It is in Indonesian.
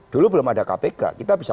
dulu belum ada kpk kita bisa